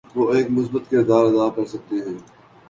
وہ ایک مثبت کردار ادا کرسکتے ہیں۔